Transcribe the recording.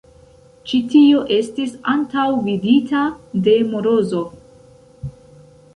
Ĉi tio estis antaŭvidita de Morozov.